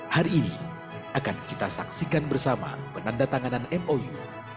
hari ini akan kita saksikan bersama penanda tanganan mou